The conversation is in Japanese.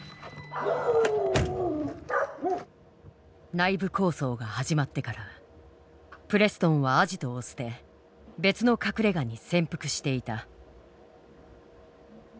内部抗争が始まってからプレストンはアジトを捨て別の隠れがに潜伏していた。